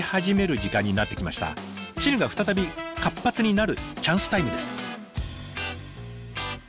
チヌが再び活発になるチャンスタイムです。